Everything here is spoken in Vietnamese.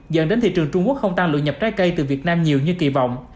dẫn đến thị trường trung quốc không tăng lượng nhập trái cây từ việt nam nhiều như kỳ vọng